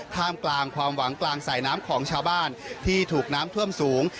ท่ามกลางความหวังกลางสายน้ำของชาวบ้านที่ถูกน้ำท่วมสูง